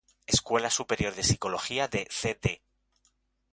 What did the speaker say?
Escuela Superior de Psicología de Cd.